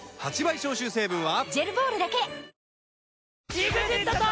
ＥＸＩＴと。